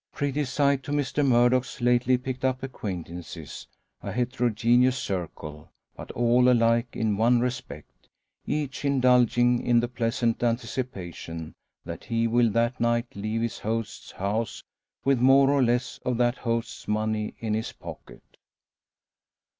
Pretty sight to Mr Murdock's lately picked up acquaintances; a heterogeneous circle, but all alike in one respect each indulging in the pleasant anticipation that he will that night leave his host's house with more or less of that host's money in his pocket.